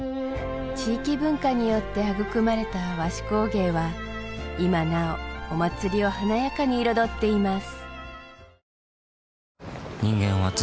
地域文化によって育まれた和紙工芸は今なおお祭りを華やかに彩っています